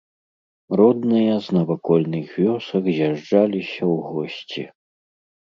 Родныя з навакольных вёсак з'язджаліся ў госці.